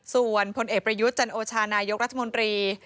ส่วนพลเอกประยุทธ์จันโอชานายกรัฐมนตรี